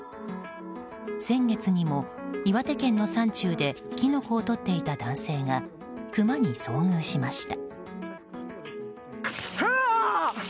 先月にも、岩手県の山中でキノコをとっていた男性がクマに遭遇しました。